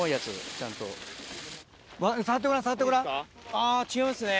あぁ違いますね。